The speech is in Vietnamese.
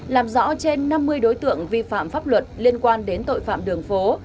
làm rõ trên năm mươi đối tượng vi phạm pháp luật liên quan đến tội phạm đường phố